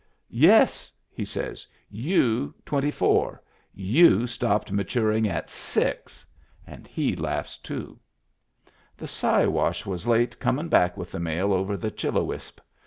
"Yes!" he says. "You twenty four 1 You stopped maturing at six." And he laughs, too. The Siwash was late comin' back with the mail over the Chillowisp.